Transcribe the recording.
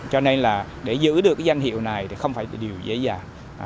cho nên là để giữ được cái danh hiệu này thì không phải là điều dễ dàng